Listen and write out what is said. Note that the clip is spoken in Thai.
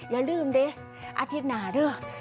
อย่าลืมดิอาทิตย์หนาด้วย